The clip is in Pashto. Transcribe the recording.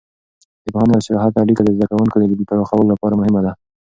د پوهنې او سیاحت اړیکه د زده کوونکو د لید پراخولو لپاره مهمه ده.